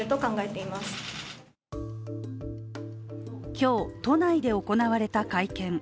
今日、都内で行われた会見。